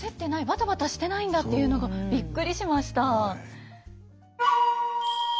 バタバタしてないんだっていうのがびっくりしました。